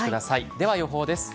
では予報です。